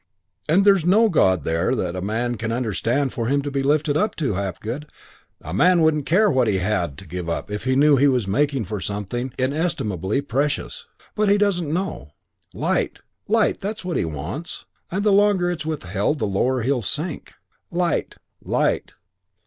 And there's no God there that a man can understand for him to be lifted up to. Hapgood, a man wouldn't care what he had to give up if he knew he was making for something inestimably precious. But he doesn't know. Light, light that's what he wants; and the longer it's withheld the lower he'll sink. Light! Light!'"